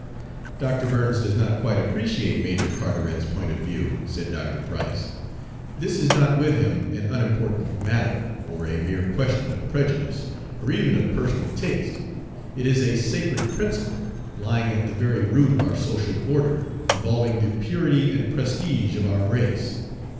"Dr. Burns does not quite appreciate Major Carteret's point of view," said Dr. Price. "This is not with him an unimportant matter, or a mere question of prejudice, or even of personal taste. It is a sacred principle, lying at the very root of our social order, involving the purity and prestige of our race.